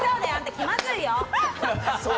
気まずいよ。